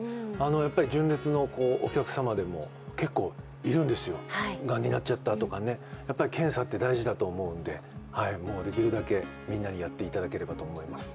結構、純烈のお客様でも結構いるんですよ、がんになっちゃったとかねやっぱり検査って大事だと思うんで、できるだけみんなにやっていただければと思います。